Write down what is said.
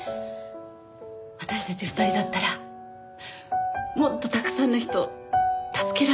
私たち２人だったらもっとたくさんの人を助けられるんじゃないかしら。